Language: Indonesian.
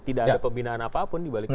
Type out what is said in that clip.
tidak ada pembinaan apapun dibaliknya